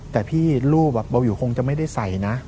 แต่พี่รูปเบาวิวคงจะไม่ได้ใส่นะ